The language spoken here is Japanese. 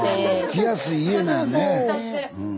来やすい家なんやね。